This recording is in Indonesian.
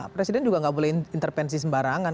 presiden juga nggak boleh intervensi sembarangan